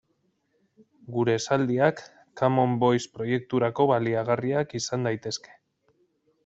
Gure esaldiak Common Voice proiekturako baliagarriak izan daitezke.